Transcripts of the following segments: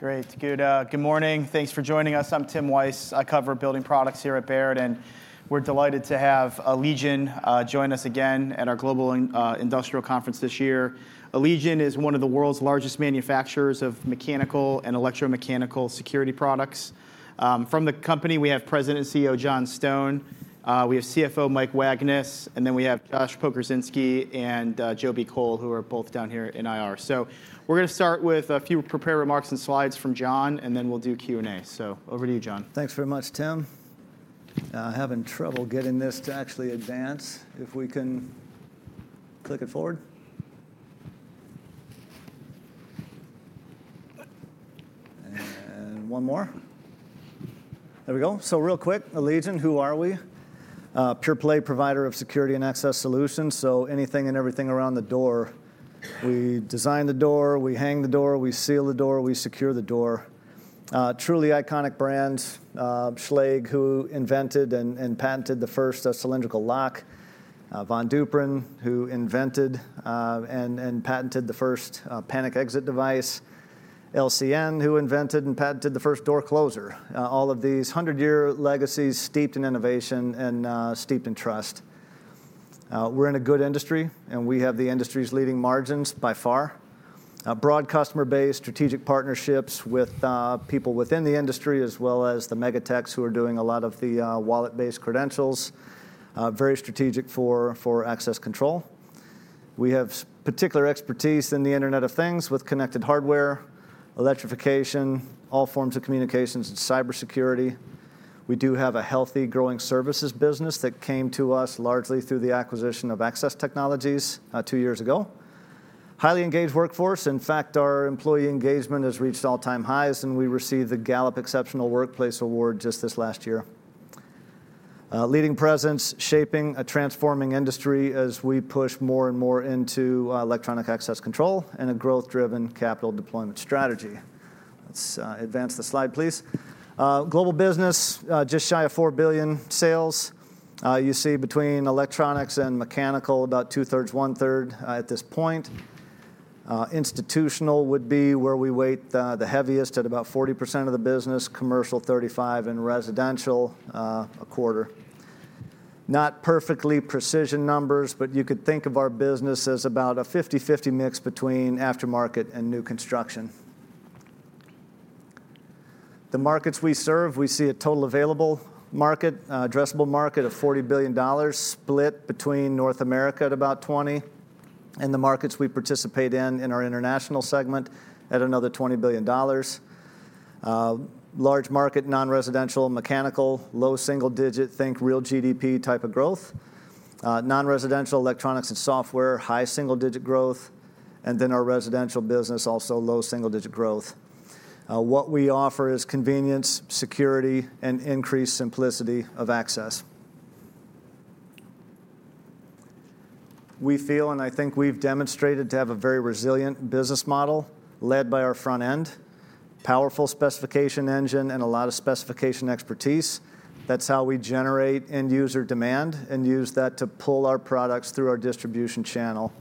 Great. Good morning. Thanks for joining us. I'm Tim Wojs. I cover building products here at Baird, and we're delighted to have Allegion join us again at our Global Industrial Conference this year. Allegion is one of the world's largest manufacturers of mechanical and electromechanical security products. From the company, we have President and CEO John Stone. We have CFO Mike Wagnes, and then we have Josh Pokrzywinski and Jobi Coyle, who are both down here in IR. So we're going to start with a few prepared remarks and slides from John, and then we'll do Q&A. So over to you, John. Thanks very much, Tim. I'm having trouble getting this to actually advance. If we can click it forward. And one more. There we go. So real quick, Allegion, who are we? Pure play provider of security and access solutions. So anything and everything around the door. We design the door, we hang the door, we seal the door, we secure the door. Truly iconic brands, Schlage who invented and patented the first cylindrical lock, Von Duprin, who invented and patented the first panic exit device, LCN, who invented and patented the first door closer. All of these hundred-year legacies steeped in innovation and steeped in trust. We're in a good industry, and we have the industry's leading margins by far. Broad customer base, strategic partnerships with people within the industry, as well as the megatechs who are doing a lot of the wallet-based credentials. Very strategic for access control. We have particular expertise in the Internet of Things with connected hardware, electrification, all forms of communications, and cybersecurity. We do have a healthy growing services business that came to us largely through the acquisition of Stanley Access Technology two years ago. Highly engaged workforce. In fact, our employee engagement has reached all-time highs, and we received the Gallup Exceptional Workplace Award just this last year. Leading presence, shaping a transforming industry as we push more and more into electronic access control and a growth-driven capital deployment strategy. Let's advance the slide, please. Global business, just shy of $4 billion sales. You see between electronics and mechanical, about two-thirds, one-third at this point. Institutional would be where we weight the heaviest at about 40% of the business, commercial 35%, and residential a quarter. Not perfectly precise numbers, but you could think of our business as about a 50/50 mix between aftermarket and new construction. The markets we serve, we see a total available market, addressable market of $40 billion, split between North America at about $20 billion, and the markets we participate in, in our international segment, at another $20 billion. Large market, non-residential, mechanical, low single-digit, think real GDP type of growth. Non-residential, electronics and software, high single-digit growth. Then our residential business also has low single-digit growth. What we offer is convenience, security, and increased simplicity of access. We feel, and I think we've demonstrated, to have a very resilient business model led by our front end, powerful specification engine, and a lot of specification expertise. That's how we generate end-user demand and use that to pull our products through our distribution channel.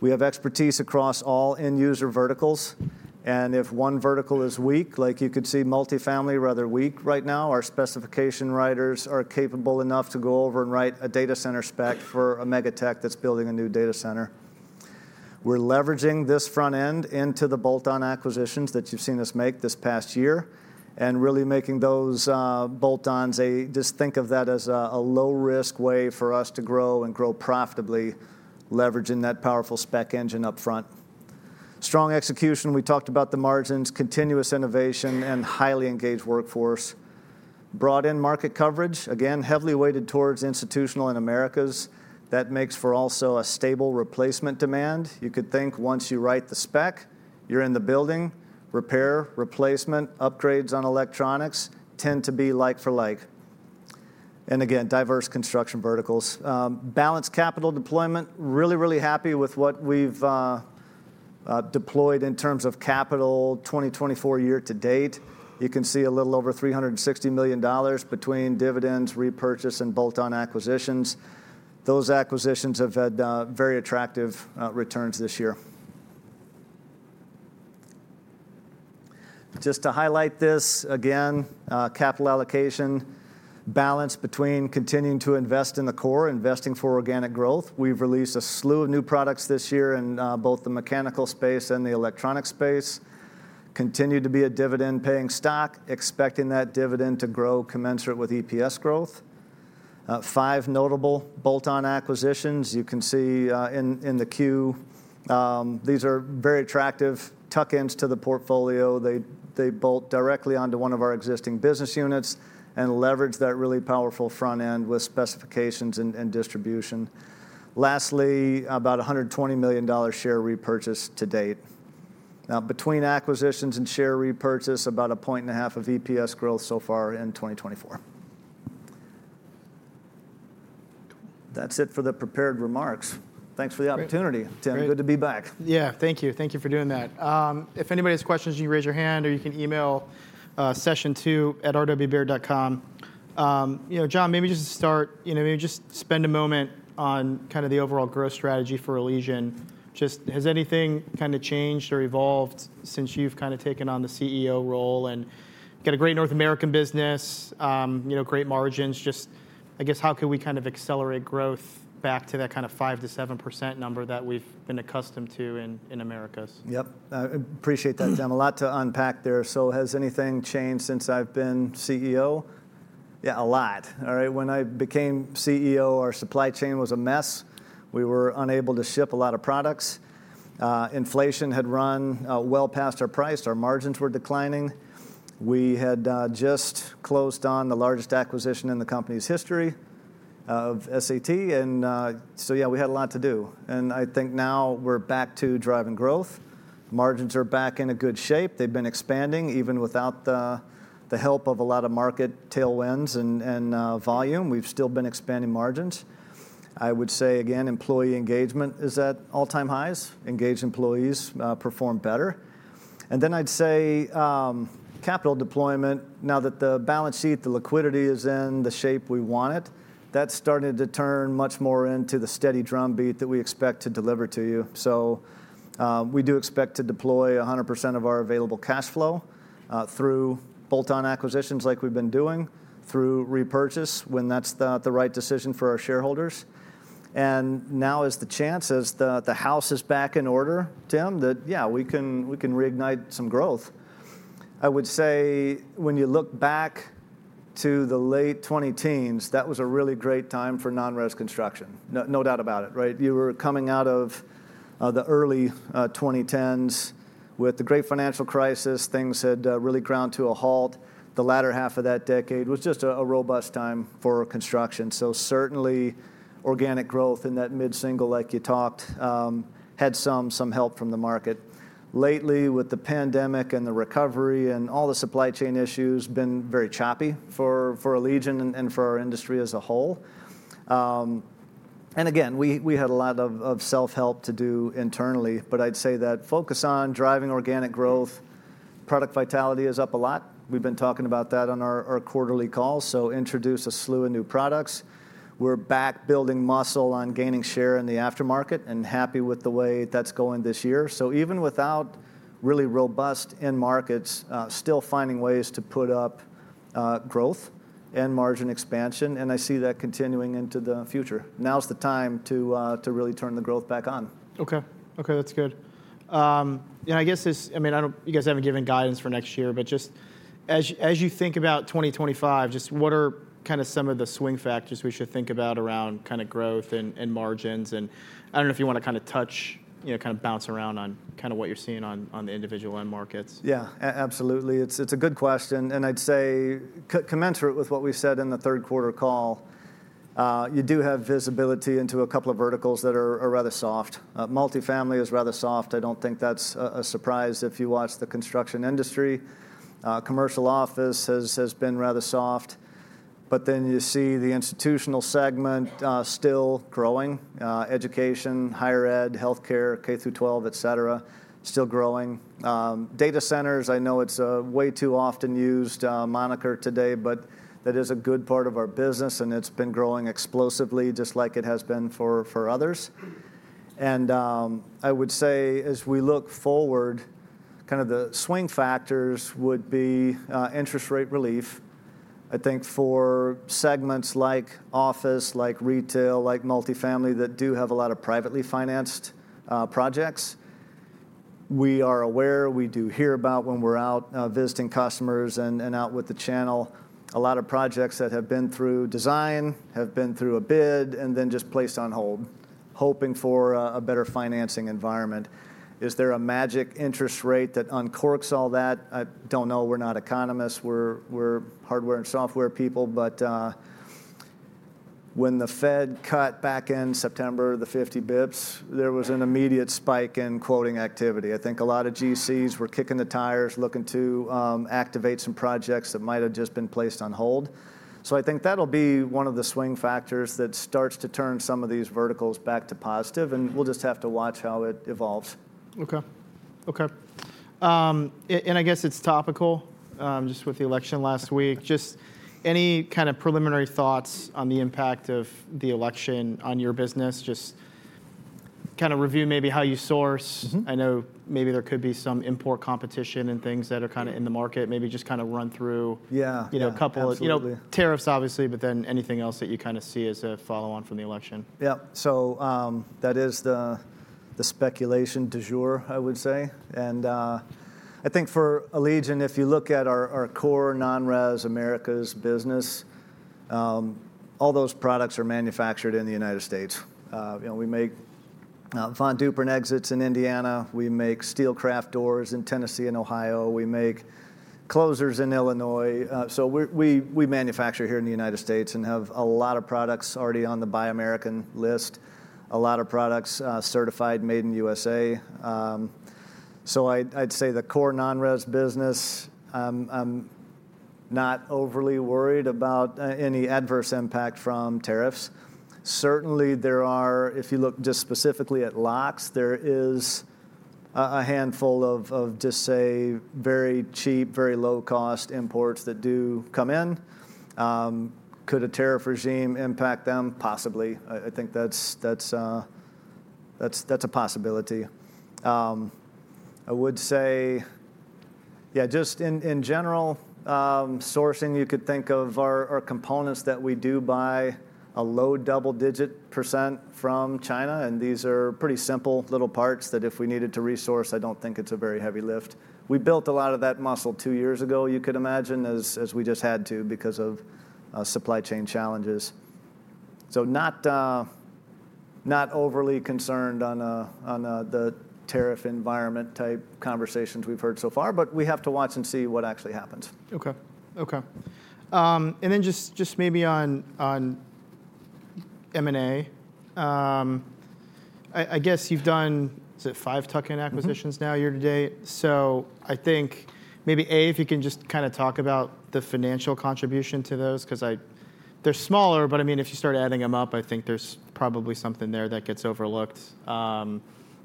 We have expertise across all end-user verticals. And if one vertical is weak, like you could see multifamily rather weak right now, our specification writers are capable enough to go over and write a data center spec for a megatech that's building a new data center. We're leveraging this front end into the bolt-on acquisitions that you've seen us make this past year and really making those bolt-ons, just think of that as a low-risk way for us to grow and grow profitably, leveraging that powerful spec engine upfront. Strong execution. We talked about the margins, continuous innovation, and highly engaged workforce. Broad end market coverage, again, heavily weighted towards institutional and Americas. That makes for also a stable replacement demand. You could think once you write the spec, you're in the building. Repair, replacement, upgrades on electronics tend to be like for like. And again, diverse construction verticals. Balanced capital deployment. Really, really happy with what we've deployed in terms of capital 2024 year to date. You can see a little over $360 million between dividends, repurchase, and bolt-on acquisitions. Those acquisitions have had very attractive returns this year. Just to highlight this again, capital allocation, balance between continuing to invest in the core, investing for organic growth. We've released a slew of new products this year in both the mechanical space and the electronic space. Continue to be a dividend-paying stock, expecting that dividend to grow commensurate with EPS growth. Five notable bolt-on acquisitions you can see in the queue. These are very attractive tuck-ins to the portfolio. They bolt directly onto one of our existing business units and leverage that really powerful front end with specifications and distribution. Lastly, about $120 million share repurchase to date. Now, between acquisitions and share repurchase, about a point and a half of EPS growth so far in 2024. That's it for the prepared remarks. Thanks for the opportunity, Tim. Good to be back. Yeah, thank you. Thank you for doing that. If anybody has questions, you can raise your hand or you can email session2@rwbaird.com. John, maybe just to start, maybe just spend a moment on kind of the overall growth strategy for Allegion. Just has anything kind of changed or evolved since you've kind of taken on the CEO role and got a great North American business, great margins? Just I guess how could we kind of accelerate growth back to that kind of 5%-7% number that we've been accustomed to in Americas? Yep. I appreciate that, Tim. A lot to unpack there. So has anything changed since I've been CEO? Yeah, a lot. All right. When I became CEO, our supply chain was a mess. We were unable to ship a lot of products. Inflation had run well past our price. Our margins were declining. We had just closed on the largest acquisition in the company's history of SAT. And so yeah, we had a lot to do. And I think now we're back to driving growth. Margins are back in a good shape. They've been expanding even without the help of a lot of market tailwinds and volume. We've still been expanding margins. I would say, again, employee engagement is at all-time highs. Engaged employees perform better. And then I'd say capital deployment. Now that the balance sheet, the liquidity is in the shape we want it, that's starting to turn much more into the steady drumbeat that we expect to deliver to you. So we do expect to deploy 100% of our available cash flow through bolt-on acquisitions like we've been doing, through repurchase when that's the right decision for our shareholders. And now is the chance, as the house is back in order, Tim, that yeah, we can reignite some growth. I would say when you look back to the late 2010s, that was a really great time for non-res construction. No doubt about it, right? You were coming out of the early 2010s with the great financial crisis. Things had really ground to a halt. The latter half of that decade was just a robust time for construction. So, certainly organic growth in that mid-single, like you talked, had some help from the market. Lately, with the pandemic and the recovery and all the supply chain issues, been very choppy for Allegion and for our industry as a whole. And again, we had a lot of self-help to do internally, but I'd say that focus on driving organic growth, product vitality is up a lot. We've been talking about that on our quarterly calls. So introduce a slew of new products. We're back building muscle on gaining share in the aftermarket and happy with the way that's going this year. So even without really robust end markets, still finding ways to put up growth and margin expansion. And I see that continuing into the future. Now's the time to really turn the growth back on. Okay. Okay, that's good. And I guess, I mean, you guys haven't given guidance for next year, but just as you think about 2025, just what are kind of some of the swing factors we should think about around kind of growth and margins? And I don't know if you want to kind of touch, kind of bounce around on kind of what you're seeing on the individual end markets? Yeah, absolutely. It's a good question, and I'd say commensurate with what we said in the third quarter call, you do have visibility into a couple of verticals that are rather soft. Multifamily is rather soft. I don't think that's a surprise if you watch the construction industry. Commercial office has been rather soft, but then you see the institutional segment still growing. Education, higher ed, healthcare, K through 12, et cetera, still growing. Data centers, I know it's a way too often used moniker today, but that is a good part of our business and it's been growing explosively just like it has been for others, and I would say as we look forward, kind of the swing factors would be interest rate relief. I think for segments like office, like retail, like multifamily that do have a lot of privately financed projects, we are aware, we do hear about when we're out visiting customers and out with the channel, a lot of projects that have been through design, have been through a bid, and then just placed on hold, hoping for a better financing environment. Is there a magic interest rate that uncorks all that? I don't know. We're not economists. We're hardware and software people. But when the Fed cut back in September the 50 basis points, there was an immediate spike in quoting activity. I think a lot of GCs were kicking the tires, looking to activate some projects that might have just been placed on hold. So I think that'll be one of the swing factors that starts to turn some of these verticals back to positive. We'll just have to watch how it evolves. Okay. Okay. And I guess it's topical just with the election last week. Just any kind of preliminary thoughts on the impact of the election on your business? Just kind of review maybe how you source. I know maybe there could be some import competition and things that are kind of in the market, maybe just kind of run through a couple of tariffs, obviously, but then anything else that you kind of see as a follow-on from the election. Yeah. So that is the speculation du jour, I would say. And I think for Allegion, if you look at our core non-res Americas business, all those products are manufactured in the United States. We make Von Duprin exits in Indiana. We make Steelcraft doors in Tennessee and Ohio. We make closers in Illinois. So we manufacture here in the United States and have a lot of products already on the Buy American list, a lot of products certified, Made in the USA. So I'd say the core non-res business, I'm not overly worried about any adverse impact from tariffs. Certainly there are, if you look just specifically at locks, there is a handful of, just say, very cheap, very low-cost imports that do come in. Could a tariff regime impact them? Possibly. I think that's a possibility. I would say, yeah, just in general, sourcing. You could think of our components that we do buy a low double-digit % from China, and these are pretty simple little parts that if we needed to resource, I don't think it's a very heavy lift. We built a lot of that muscle two years ago, you could imagine, as we just had to because of supply chain challenges, so not overly concerned on the tariff environment type conversations we've heard so far, but we have to watch and see what actually happens. Okay. Okay. And then just maybe on M&A, I guess you've done, is it five tuck-in acquisitions now year to date? So I think maybe A, if you can just kind of talk about the financial contribution to those, because they're smaller, but I mean, if you start adding them up, I think there's probably something there that gets overlooked.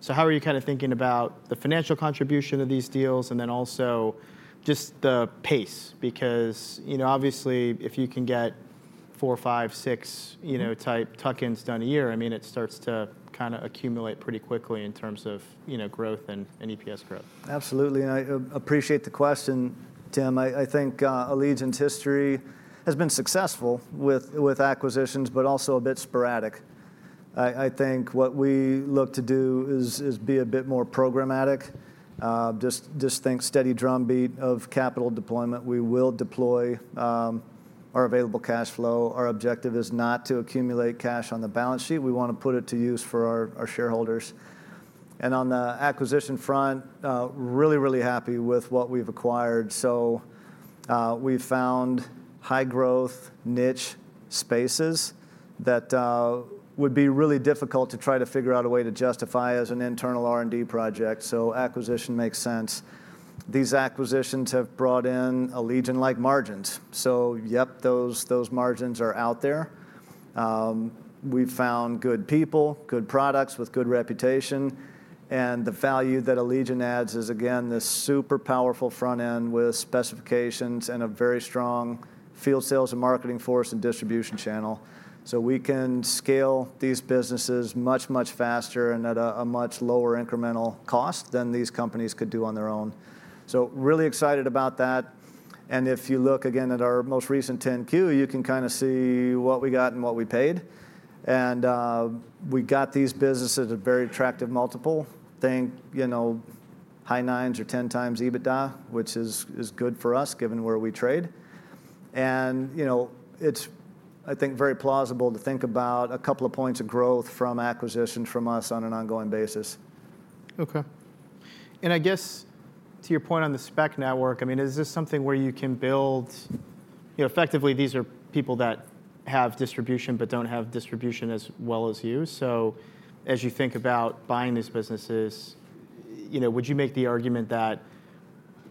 So how are you kind of thinking about the financial contribution of these deals and then also just the pace? Because obviously if you can get four, five, six type tuck-ins done a year, I mean, it starts to kind of accumulate pretty quickly in terms of growth and EPS growth. Absolutely, and I appreciate the question, Tim. I think Allegion's history has been successful with acquisitions, but also a bit sporadic. I think what we look to do is be a bit more programmatic. Just think steady drumbeat of capital deployment. We will deploy our available cash flow. Our objective is not to accumulate cash on the balance sheet. We want to put it to use for our shareholders, and on the acquisition front, really, really happy with what we've acquired. So we've found high-growth niche spaces that would be really difficult to try to figure out a way to justify as an internal R&D project, so acquisition makes sense. These acquisitions have brought in Allegion-like margins, so yep, those margins are out there. We've found good people, good products with good reputation. And the value that Allegion adds is, again, this super powerful front end with specifications and a very strong field sales and marketing force and distribution channel. So we can scale these businesses much, much faster and at a much lower incremental cost than these companies could do on their own. So really excited about that. And if you look again at our most recent 10-Q, you can kind of see what we got and what we paid. And we got these businesses at a very attractive multiple. Think high nines or 10 times EBITDA, which is good for us given where we trade. And it's, I think, very plausible to think about a couple of points of growth from acquisitions from us on an ongoing basis. Okay. And I guess to your point on the spec network, I mean, is this something where you can build effectively? These are people that have spec but don't have distribution as well as you. So as you think about buying these businesses, would you make the argument that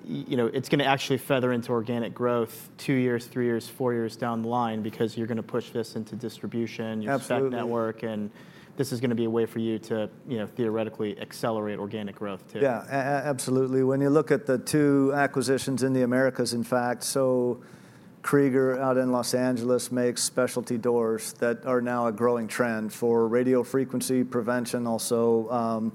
it's going to actually feed into organic growth two years, three years, four years down the line because you're going to push this into distribution, your spec network, and this is going to be a way for you to theoretically accelerate organic growth too? Yeah, absolutely. When you look at the two acquisitions in the Americas, in fact, so Krieger out in Los Angeles makes specialty doors that are now a growing trend for radio frequency prevention, also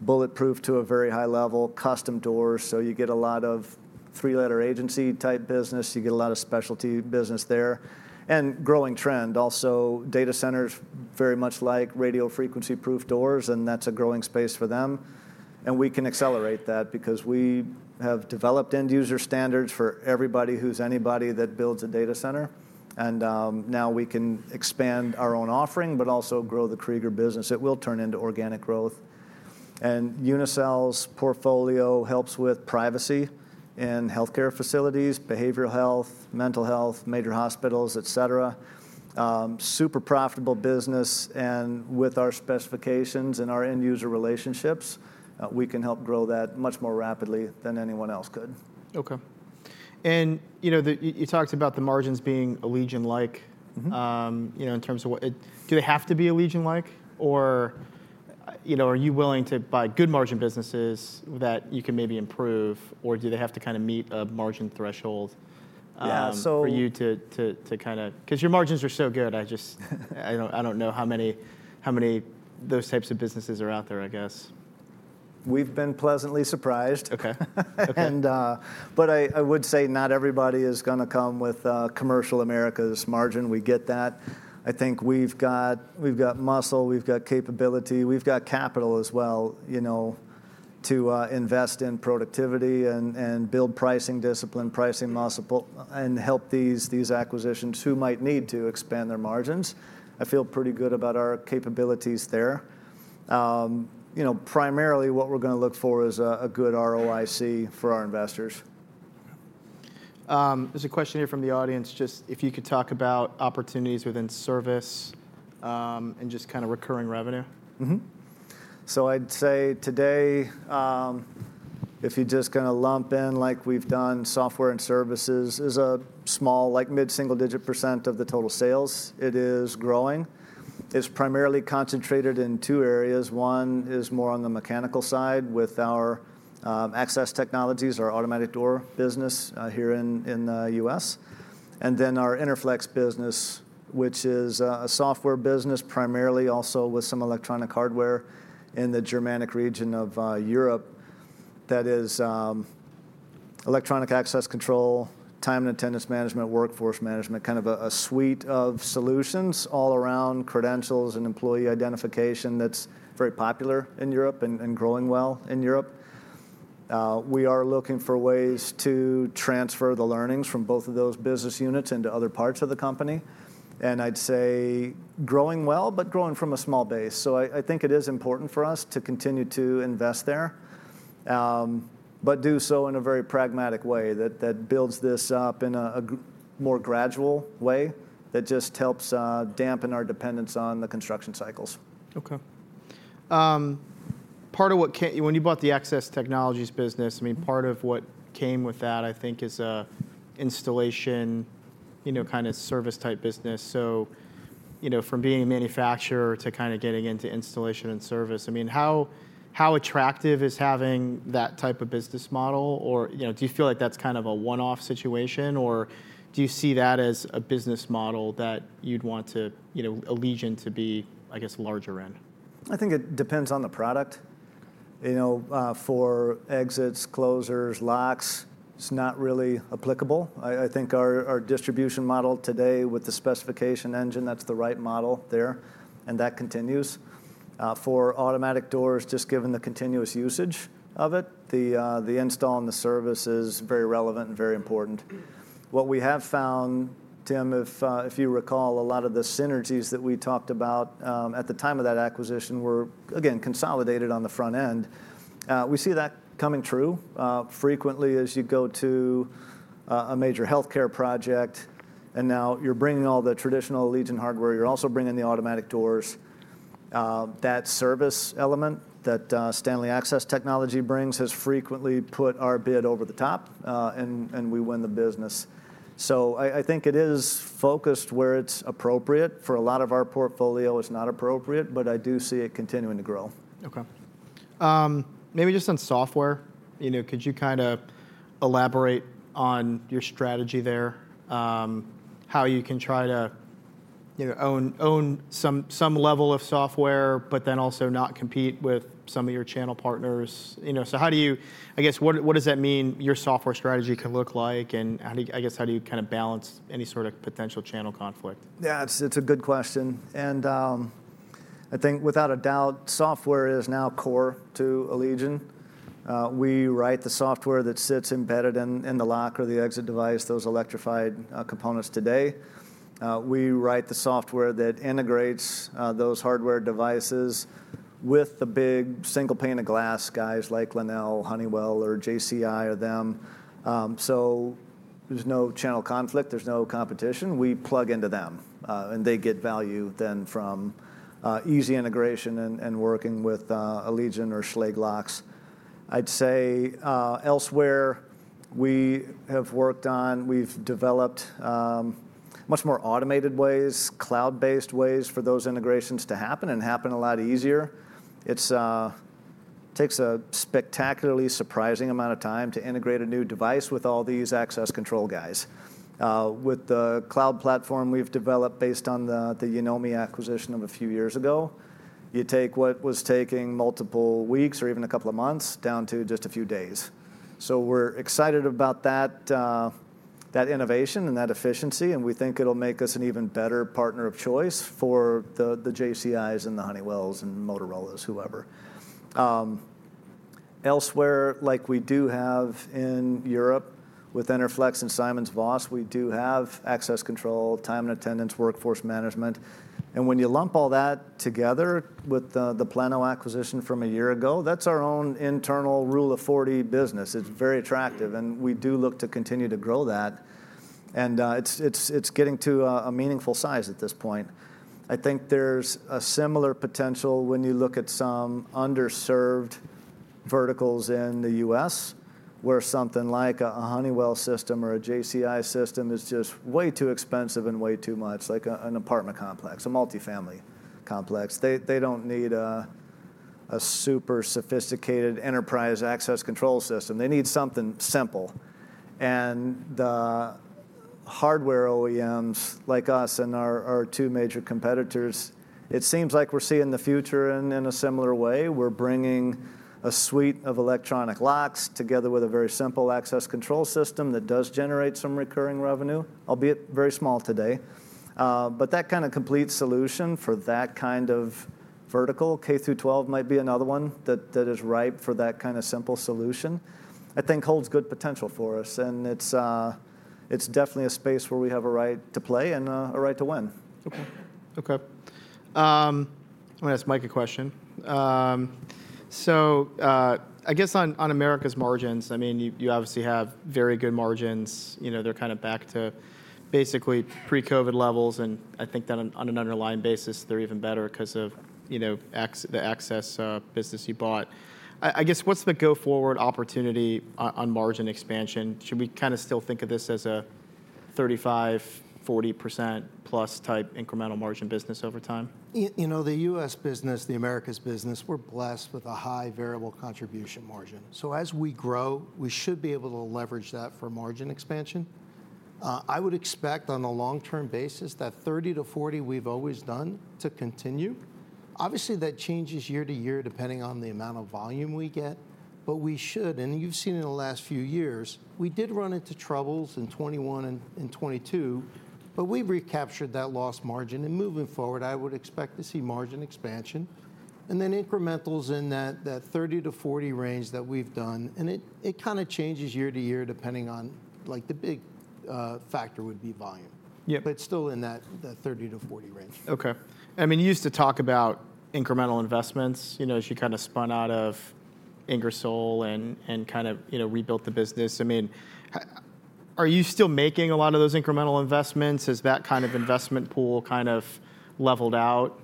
bulletproof to a very high level, custom doors. So you get a lot of three-letter agency type business. You get a lot of specialty business there. And growing trend also, data centers very much like radio frequency proof doors, and that's a growing space for them. And we can accelerate that because we have developed end user standards for everybody who's anybody that builds a data center. And now we can expand our own offering, but also grow the Krieger business. It will turn into organic growth. And Unicel's portfolio helps with privacy in healthcare facilities, behavioral health, mental health, major hospitals, et cetera. Super profitable business. With our specifications and our end user relationships, we can help grow that much more rapidly than anyone else could. Okay. And you talked about the margins being Allegion-like in terms of what do they have to be Allegion-like? Or are you willing to buy good margin businesses that you can maybe improve? Or do they have to kind of meet a margin threshold for you to kind of because your margins are so good, I don't know how many those types of businesses are out there, I guess. We've been pleasantly surprised. But I would say not everybody is going to come with commercial Americas margin. We get that. I think we've got muscle, we've got capability, we've got capital as well to invest in productivity and build pricing discipline, pricing muscle, and help these acquisitions who might need to expand their margins. I feel pretty good about our capabilities there. Primarily what we're going to look for is a good ROIC for our investors. There's a question here from the audience, just if you could talk about opportunities within service and just kind of recurring revenue. I'd say today, if you just kind of lump in like we've done software and services is a small, like mid-single digit % of the total sales. It is growing. It's primarily concentrated in two areas. One is more on the mechanical side with our Access Technologies, our automatic door business here in the U.S. And then our Interflex business, which is a software business primarily also with some electronic hardware in the Germanic region of Europe that is electronic access control, time and attendance management, workforce management, kind of a suite of solutions all around credentials and employee identification that's very popular in Europe and growing well in Europe. We are looking for ways to transfer the learnings from both of those business units into other parts of the company. And I'd say growing well, but growing from a small base. So I think it is important for us to continue to invest there, but do so in a very pragmatic way that builds this up in a more gradual way that just helps dampen our dependence on the construction cycles. Okay. Part of what, when you bought the Access Technologies business, I mean, part of what came with that, I think, is an installation kind of service type business. So from being a manufacturer to kind of getting into installation and service, I mean, how attractive is having that type of business model? Or do you feel like that's kind of a one-off situation? Or do you see that as a business model that you'd want Allegion to be, I guess, larger in? I think it depends on the product. For exits, closers, locks, it's not really applicable. I think our distribution model today with the specification engine, that's the right model there, and that continues. For automatic doors, just given the continuous usage of it, the install and the service is very relevant and very important. What we have found, Tim, if you recall, a lot of the synergies that we talked about at the time of that acquisition were, again, consolidated on the front end. We see that coming true frequently as you go to a major healthcare project, and now you're bringing all the traditional Allegion hardware. You're also bringing the automatic doors. That service element that Stanley Access Technology brings has frequently put our bid over the top, and we win the business, so I think it is focused where it's appropriate. For a lot of our portfolio, it's not appropriate, but I do see it continuing to grow. Okay. Maybe just on software, could you kind of elaborate on your strategy there, how you can try to own some level of software, but then also not compete with some of your channel partners? So how do you, I guess, what does that mean your software strategy could look like? And I guess, how do you kind of balance any sort of potential channel conflict? Yeah, it's a good question, and I think without a doubt, software is now core to Allegion. We write the software that sits embedded in the lock or the exit device, those electrified components today. We write the software that integrates those hardware devices with the big single pane of glass guys like Lenel, Honeywell, or JCI or them, so there's no channel conflict. There's no competition. We plug into them, and they get value then from easy integration and working with Allegion or Schlage locks. I'd say elsewhere, we have worked on, we've developed much more automated ways, cloud-based ways for those integrations to happen and happen a lot easier. It takes a spectacularly surprising amount of time to integrate a new device with all these access control guys. With the cloud platform we've developed based on the Yonomi acquisition of a few years ago, you take what was taking multiple weeks or even a couple of months down to just a few days. So we're excited about that innovation and that efficiency, and we think it'll make us an even better partner of choice for the JCI's and the Honeywells and Motorolas, whoever. Elsewhere, like we do have in Europe with Interflex and SimonsVoss, we do have access control, time and attendance, workforce management. And when you lump all that together with the Plano acquisition from a year ago, that's our own internal Rule of 40 business. It's very attractive, and we do look to continue to grow that. And it's getting to a meaningful size at this point. I think there's a similar potential when you look at some underserved verticals in the U.S. where something like a Honeywell system or a JCI system is just way too expensive and way too much, like an apartment complex, a multifamily complex. They don't need a super sophisticated enterprise access control system. They need something simple, and the hardware OEMs like us and our two major competitors, it seems like we're seeing the future in a similar way. We're bringing a suite of electronic locks together with a very simple access control system that does generate some recurring revenue, albeit very small today, but that kind of complete solution for that kind of vertical, K through 12 might be another one that is ripe for that kind of simple solution, I think holds good potential for us. It's definitely a space where we have a right to play and a right to win. Okay. Okay. I'm going to ask Mike a question. So I guess on America's margins, I mean, you obviously have very good margins. They're kind of back to basically pre-COVID levels. And I think that on an underlying basis, they're even better because of the access business you bought. I guess what's the go-forward opportunity on margin expansion? Should we kind of still think of this as a 35%-40% plus type incremental margin business over time? You know, the US business, the America's business, we're blessed with a high variable contribution margin. So as we grow, we should be able to leverage that for margin expansion. I would expect on a long-term basis that 30%-40% we've always done to continue. Obviously, that changes year to year depending on the amount of volume we get. But we should, and you've seen in the last few years, we did run into troubles in 2021 and 2022, but we've recaptured that lost margin. And moving forward, I would expect to see margin expansion and then incrementals in that 30%-40% range that we've done. And it kind of changes year to year depending on the big factor would be volume, but still in that 30%-40% range. Okay. I mean, you used to talk about incremental investments as you kind of spun out of Ingersoll and kind of rebuilt the business. I mean, are you still making a lot of those incremental investments? Has that kind of investment pool kind of leveled out?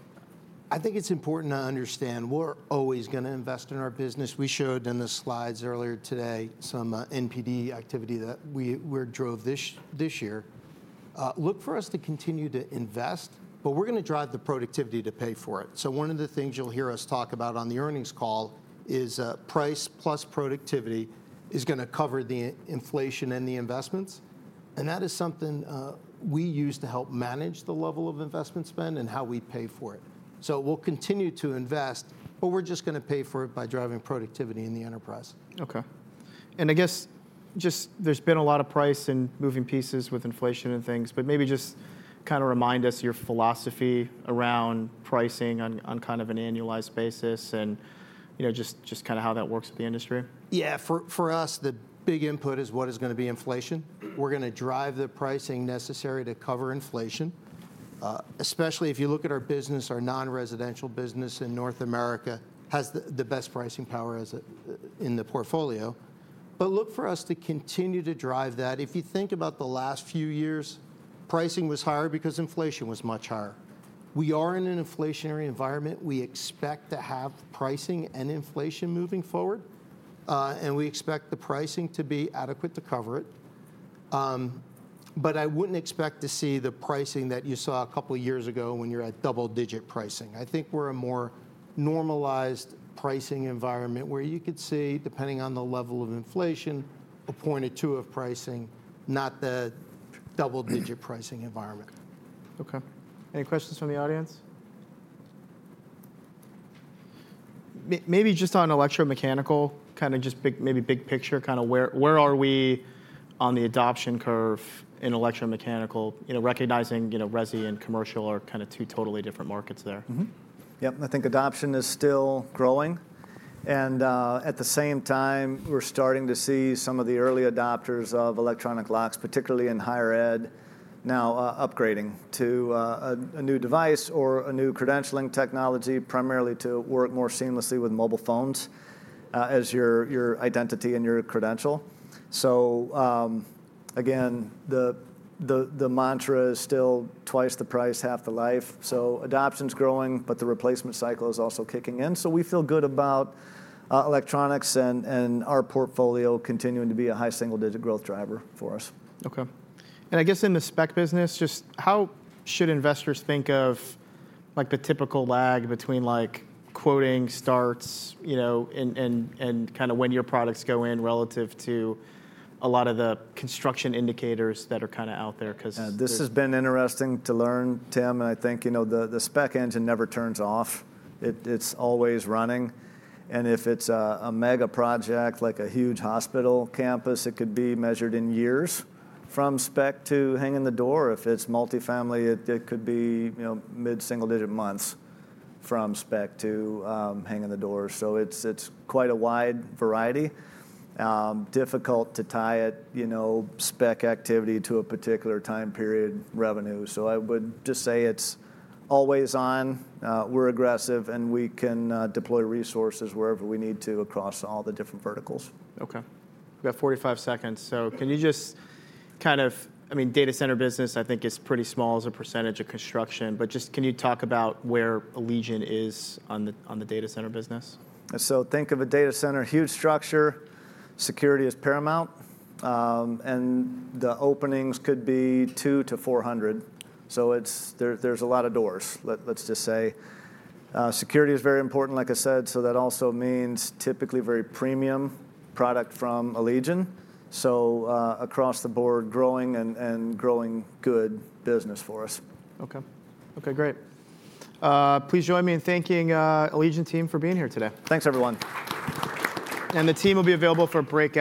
I think it's important to understand we're always going to invest in our business. We showed in the slides earlier today some NPD activity that we drove this year. Look for us to continue to invest, but we're going to drive the productivity to pay for it. So one of the things you'll hear us talk about on the earnings call is price plus productivity is going to cover the inflation and the investments. And that is something we use to help manage the level of investment spend and how we pay for it. So we'll continue to invest, but we're just going to pay for it by driving productivity in the enterprise. Okay, and I guess just there's been a lot of pricing and moving pieces with inflation and things, but maybe just kind of remind us your philosophy around pricing on kind of an annualized basis and just kind of how that works with the industry. Yeah. For us, the big input is what is going to be inflation. We're going to drive the pricing necessary to cover inflation, especially if you look at our business. Our non-residential business in North America has the best pricing power in the portfolio. But look for us to continue to drive that. If you think about the last few years, pricing was higher because inflation was much higher. We are in an inflationary environment. We expect to have pricing and inflation moving forward, and we expect the pricing to be adequate to cover it. But I wouldn't expect to see the pricing that you saw a couple of years ago when you're at double-digit pricing. I think we're a more normalized pricing environment where you could see, depending on the level of inflation, a point or two of pricing, not the double-digit pricing environment. Okay. Any questions from the audience? Maybe just on electromechanical, kind of just maybe big picture, kind of where are we on the adoption curve in electromechanical, recognizing resi and commercial are kind of two totally different markets there? Yep. I think adoption is still growing. And at the same time, we're starting to see some of the early adopters of electronic locks, particularly in higher ed, now upgrading to a new device or a new credentialing technology primarily to work more seamlessly with mobile phones as your identity and your credential. So again, the mantra is still twice the price, half the life. So adoption's growing, but the replacement cycle is also kicking in. So we feel good about electronics and our portfolio continuing to be a high single-digit growth driver for us. Okay. And I guess in the spec business, just how should investors think of the typical lag between quoting starts and kind of when your products go in relative to a lot of the construction indicators that are kind of out there? This has been interesting to learn, Tim, and I think the spec engine never turns off. It's always running, and if it's a mega project, like a huge hospital campus, it could be measured in years from spec to hanging the door. If it's multifamily, it could be mid-single-digit months from spec to hanging the door. It's quite a wide variety, difficult to tie spec activity to a particular time period revenue. I would just say it's always on. We're aggressive, and we can deploy resources wherever we need to across all the different verticals. Okay. We've got 45 seconds. So can you just kind of, I mean, data center business, I think is pretty small as a percentage of construction, but just can you talk about where Allegion is on the data center business? So think of a data center, huge structure, security is paramount. And the openings could be 200-400. So there's a lot of doors, let's just say. Security is very important, like I said. So that also means typically very premium product from Allegion. So across the board, growing and growing good business for us. Okay. Okay. Great. Please join me in thanking Allegion team for being here today. Thanks, everyone. The team will be available for breakout.